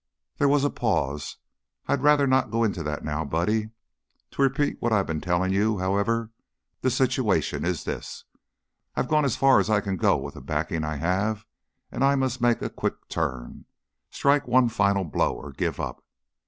There was a pause. "I'd rather not go into that now, Buddy. To repeat what I've been telling you, however, the situation is this: I've gone as far as I can go with the backing I have, and I must make a quick turn strike one final blow or give up.